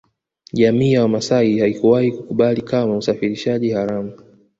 Jamii ya Wamasai haikuwahi kukubali kamwe usafirishaji haramu